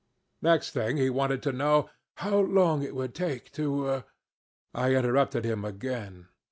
Next thing he wanted to know 'how long it would take to' ... I interrupted him again.